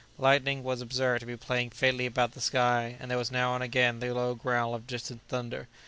Lightning was observed to be playing faintly about the sky, and there was now and again the low growl of distant thunder.